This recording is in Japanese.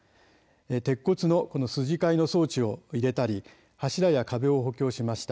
鉄骨の筋交いの装置を入れたり柱や壁を補強しました。